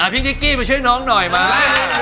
พี่ติ๊กกี้มาช่วยน้องหน่อยมา